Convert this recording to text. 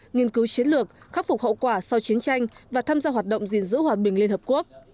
nghiên cứu chiến lược khắc phục hậu quả sau chiến tranh và tham gia hoạt động gìn giữ hòa bình liên hợp quốc